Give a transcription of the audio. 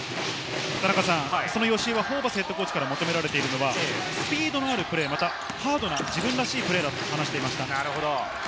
その吉井はホーバスＨＣから求められているのはスピードのあるプレー、ハードな自分らしいプレーだと話していました。